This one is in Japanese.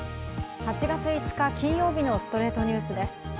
８月５日、金曜日の『ストレイトニュース』です。